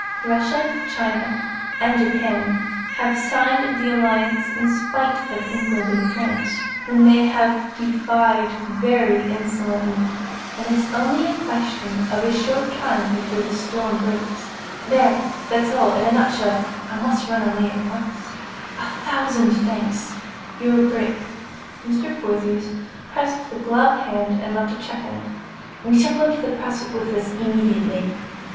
"Russia China, and Japan have signed the alliance, in spite of England and France, whom they have defied very insolently, and it's only a question of a short time before the storm breaks. There! That's all, in a nutshell. I must run away at once." [Illustration: "'Sh!' she breathed."] "A thousand thanks! You're a brick!" Mr. Portheous pressed the gloved hand and left a cheque in it. "We shall go to press with this immediately."